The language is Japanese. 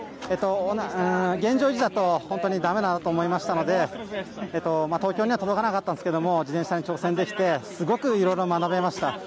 現状維持だと本当にだめだなと思いましたので東京には届かなかったんですけど自転車に挑戦できてすごくいろいろ学べました。